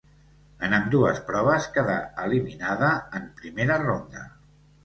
En ambdues proves quedà eliminada en primera ronda.